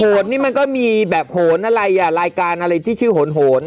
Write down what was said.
นี่มันก็มีแบบโหนอะไรอ่ะรายการอะไรที่ชื่อโหน